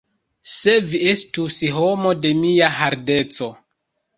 Se vi estus homo de mia hardeco!